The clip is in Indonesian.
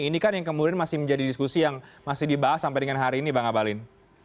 ini kan yang kemudian masih menjadi diskusi yang masih dibahas sampai dengan hari ini bang abalin